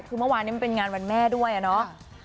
คือเมื่อวานนี้มันเป็นงานวันแม่ด้วยอะเนาะ